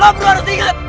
lo harus ingat